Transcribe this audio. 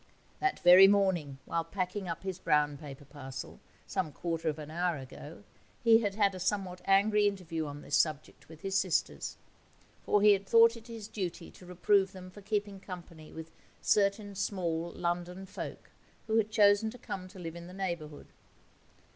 That very morning, while packing up his brown paper parcel, some quarter of an hour ago, he had had a somewhat angry interview on this subject with his sisters. For he had thought it his duty to reprove them for keeping company with certain small London folk who had chosen to come to live in the neighbourhood.